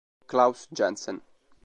Claus Jensen